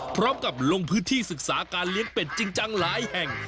พร้อมกับลงพื้นที่ศึกษาการเลี้ยงเป็ดจริงจังหลายแห่ง